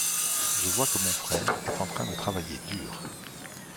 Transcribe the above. Je vois que mon frère est en train de travailler dur.